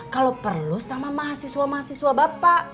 kalau perlu sama mahasiswa mahasiswa bapak